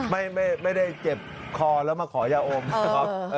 ไม่ได้เจ็บคอแล้วมาขอยาอมนะครับ